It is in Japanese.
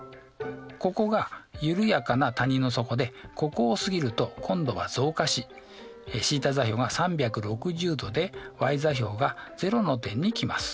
ここが緩やかな谷の底でここを過ぎると今度は増加しθ座標が３６０°でｙ座標が０の点に来ます。